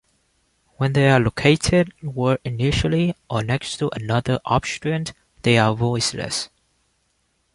When they are located word-initially or next to another obstruent, they are voiceless.